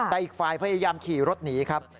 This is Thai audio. แต่อีกฝ่ายพยายามขี่รถหนีครับ